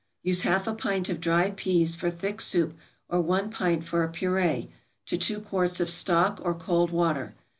= Use half a pint of dried peas for thick soup, or one pint for a purée, to two quarts of stock or cold water.